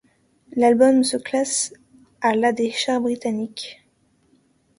L'album se classe à la des charts britanniques.